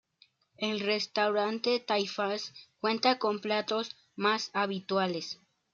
El restaurante Taifas cuenta con platos más habituales.